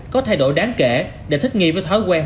có thay đổi đáng kể để thích nghi với thói quen